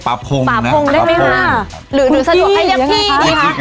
ป๊ามือ